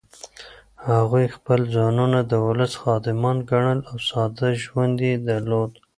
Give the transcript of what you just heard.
هغوی خپل ځانونه د ولس خادمان ګڼل او ساده ژوند یې درلود.